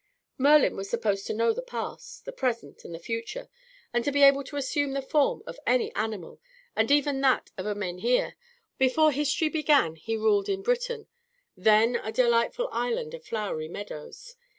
Merlin was supposed to know the past, the present, and the future, and to be able to assume the form of any animal, and even that of a menhir, or huge standing stone. Before history began he ruled in Britain, then a delightful island of flowery meadows.